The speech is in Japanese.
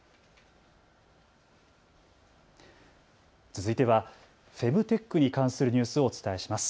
続いてはフェムテックに関するニュースをお伝えします。